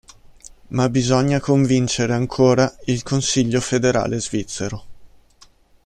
Ma bisogna convincere ancora il Consiglio federale svizzero.